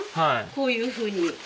こういうふうに。